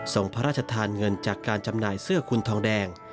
พระราชทานเงินจากการจำหน่ายเสื้อคุณทองแดง